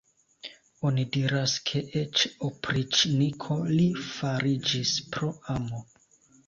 Oni diras, ke eĉ opriĉniko li fariĝis pro amo.